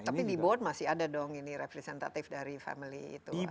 tapi di board masih ada dong ini representatif dari family itu